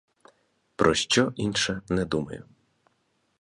Про що інше не думаю.